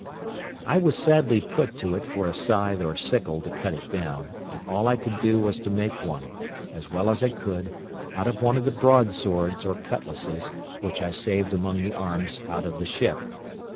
I was sadly put to it for a scythe or sickle to cut it down, and all I could do was to make one, as well as I could, out of one of the broadswords, or cutlasses, which I saved among the arms out of the ship.